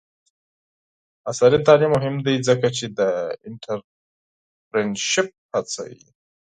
عصري تعلیم مهم دی ځکه چې د انټرپرینرشپ هڅوي.